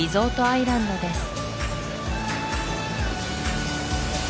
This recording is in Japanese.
アイランドです